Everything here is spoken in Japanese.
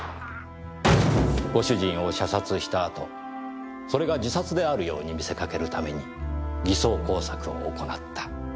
ご主人を射殺した後それが自殺であるように見せかけるために偽装工作を行った。